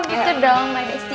gitu dong mbak esti